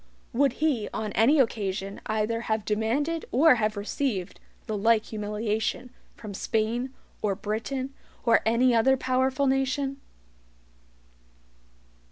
Would he on any occasion either have demanded or have received the like humiliation from Spain, or Britain, or any other POWERFUL nation?